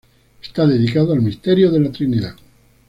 Está dedicado al misterio de la Trinidad.